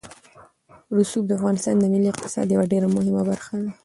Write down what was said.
رسوب د افغانستان د ملي اقتصاد یوه ډېره مهمه برخه ده.